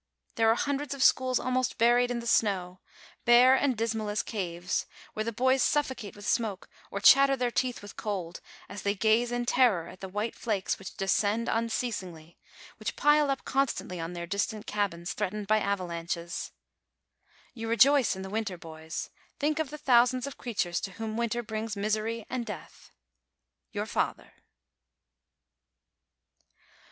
There 62 DECEMBER are hundreds of schools almost buried in the snow, bare and dismal as caves, where the boys suffocate with smoke or chatter their teeth with cold as they gaze in terror at the white flakes which descend unceasingly, which pile up constantly on their distant cabins threatened by avalanches. You rejoice in the winter, boys. Think of the thousands of creatures to whom winter brings misery and death. YOUR FATHER.